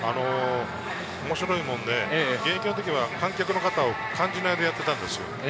面白いもので、現役の時は観客の方を感じないでやっていたんですよ。